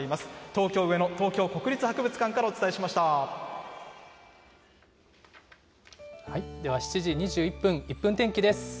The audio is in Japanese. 東京・上野、東京国立博物館からでは７時２１分、１分天気です。